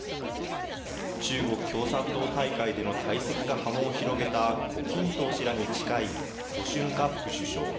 中国共産党大会での退席が波紋を広げた胡錦涛氏らに近い、胡春華副首相。